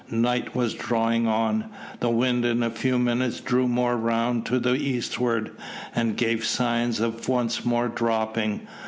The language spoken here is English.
Night was drawing on. The wind in a few minutes drew more round to the eastward, and gave signs of once more dropping.